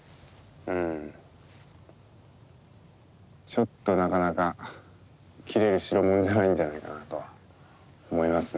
ちょっとなかなか切れる代物じゃないんじゃないかなとは思いますね。